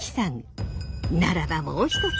ならばもう一つ